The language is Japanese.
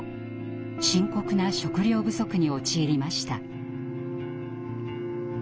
深刻な食糧不足に陥りました。